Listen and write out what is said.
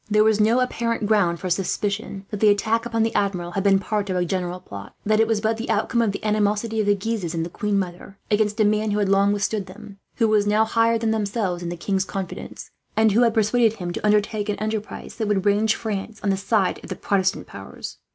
There was no apparent ground for suspicion that the attack upon the Admiral had been a part of any general plot, and it was believed that it was but the outcome of the animosity of the Guises, and the queen mother, against a man who had long withstood them, who was now higher than themselves in the king's confidence, and who had persuaded him to undertake an enterprise that would range France on the side of the Protestant powers.